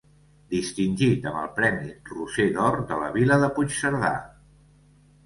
Distingit amb el premi Roser d'Or de la Vila de Puigcerdà.